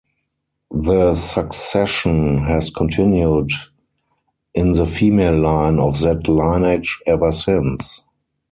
The succession has continued in the female line of that lineage ever since.